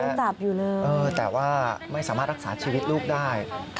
ยังจับอยู่เลยแต่ว่าไม่สามารถรักษาชีวิตลูกได้